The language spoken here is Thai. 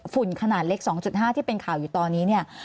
ฝุ่นขนาดเล็ก๒๕ที่เป็นข่าวอยู่ตอนนี้